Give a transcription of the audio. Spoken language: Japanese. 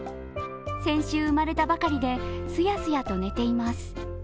先週生まれたばかりで、スヤスヤと寝ています。